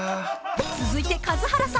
［続いて数原さん